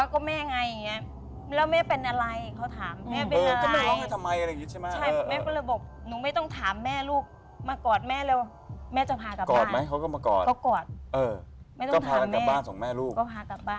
ใช่ครับ